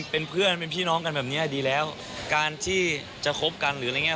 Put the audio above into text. เป็นเพื่อนเป็นพี่น้องกันแบบเนี้ยดีแล้วการที่จะคบกันหรืออะไรอย่างเง